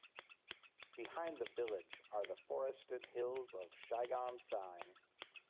Behind the village are the forested hills of Chiang Saen.